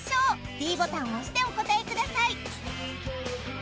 ｄボタンを押してお答えください